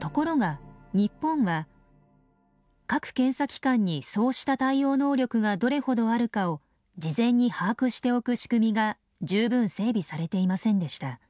ところが日本は各検査機関にそうした対応能力がどれほどあるかを事前に把握しておく仕組みが十分整備されていませんでした。